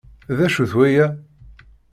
D acu-t waya?